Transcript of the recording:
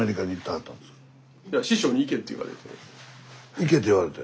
行けと言われて？